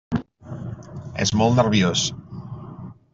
És molt nerviós.